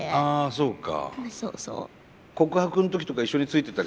そうか。